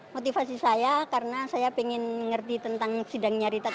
motivasi saya karena saya ingin mengerti tentang sidangnya richard